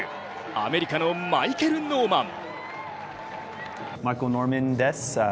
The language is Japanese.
アメリカのマイケル・ノーマン。